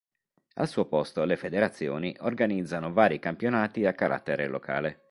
Al suo posto le Federazioni organizzano vari campionati a carattere locale.